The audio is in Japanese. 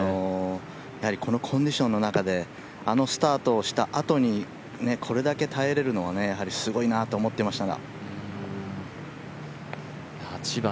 このコンディションの中であのスタートをしたあとにこれだけ耐えれるのはやはりすごいなと思っていました。